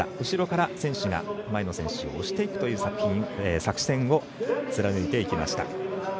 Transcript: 後ろから選手が前の選手を押していくという作戦を貫いていきました。